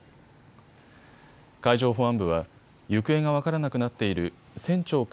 海上保安部は行方が分からなくなっている船長か